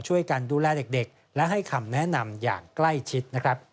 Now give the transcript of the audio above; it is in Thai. ช่วยกันดูแลเด็กและให้คำแนะนำอย่างใกล้ชิดนะครับ